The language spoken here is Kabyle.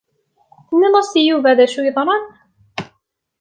I tinid-as i Yuba d acu ay yeḍran?